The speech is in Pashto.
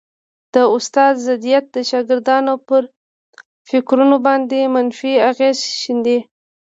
د استاد ضدیت د شاګردانو پر فکرونو باندي منفي اغېز شیندي